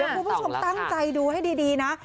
เดี๋ยวคุณผู้ชมตั้งใจดูให้ดีนะ